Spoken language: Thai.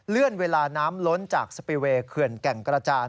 เวลาน้ำล้นจากสปีเวย์เขื่อนแก่งกระจาน